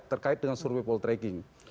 terkait dengan survei poltracking